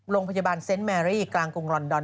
โรงพยาบาลเซนต์แมรี่กลางกรุงลอนดอน